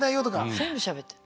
全部しゃべってる。